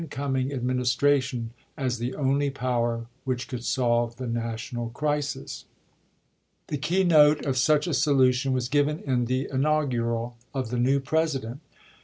coming Administration as the only power which could solve the national crisis. The key note of such a solution was given in the inaugural of the new President.